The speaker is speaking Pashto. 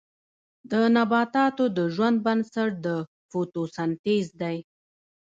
د نباتاتو د ژوند بنسټ د فوتوسنتیز دی